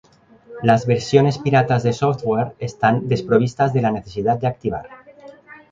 Las versiones piratas de software están desprovistas de la necesidad de activar.